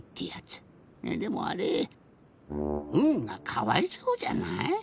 でもあれ「ん」がかわいそうじゃない？